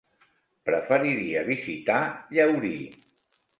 Preferiria visitar Llaurí.